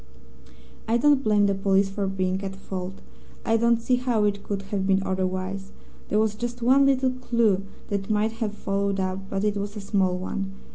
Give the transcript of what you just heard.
"I don't blame the police for being at fault. I don't see how it could have been otherwise. There was just one little clue that they might have followed up, but it was a small one.